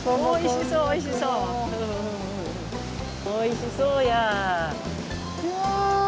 おいしそうや。